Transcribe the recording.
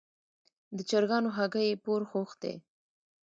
د چرګانو هګۍ یې پور غوښتې.